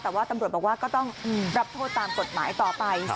แต่ว่าตำรวจบอกว่าก็ต้องรับโทษตามกฎหมายต่อไป